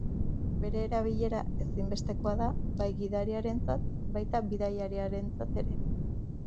Bere erabilera ezinbestekoa da bai gidariarentzat baita bidaiariarentzat ere.